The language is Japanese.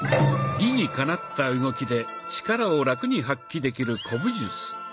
理にかなった動きで力をラクに発揮できる古武術。